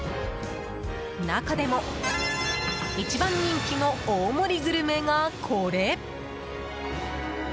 中でも一番人気の大盛りグルメが、これ。